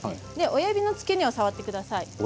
親指の付け根を触ってください。